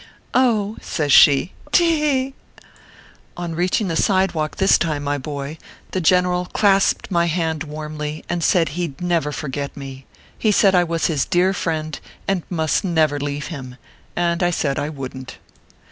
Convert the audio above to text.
"!" says she, " te he he !" On reaching the sidewalk this time, my boy, the general clasped my hand warmly, and said he d never forget me. He said I was his dear friend, and must never leave him ; and I said I wouldn t.